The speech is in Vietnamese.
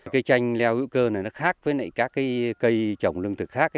cây chanh leo hữu cơ này nó khác với các cây trồng lương thực khác